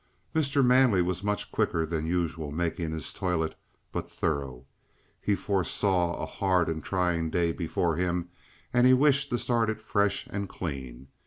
Mr. Manley was much quicker than usual making his toilet, but thorough. He foresaw a hard and trying day before him, and he wished to start it fresh and clean.